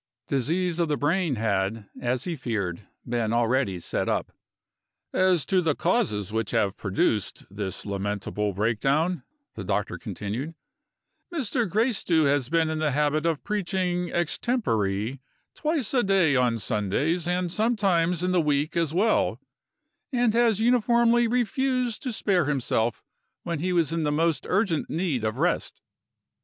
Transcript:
Disease of the brain had, as he feared, been already set up. "As to the causes which have produced this lamentable break down," the doctor continued, "Mr. Gracedieu has been in the habit of preaching extempore twice a day on Sundays, and sometimes in the week as well and has uniformly refused to spare himself when he was in most urgent need of rest.